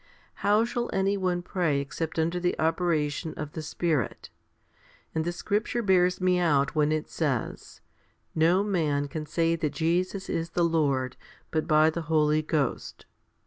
How shall any one pray except under the operation of the Spirit ? And the scripture bears me out when it says, No man can say that Jesus is the Lord, but by the Holy Ghost.